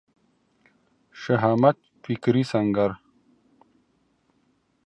شهامت فکري سنګر